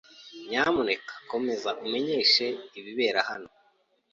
Nyamuneka nkomeze umenyeshe ibibera hano.